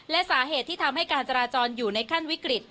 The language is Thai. และสาเหตุที่ทำให้การจราจรอยู่ในขั้นวิกฤต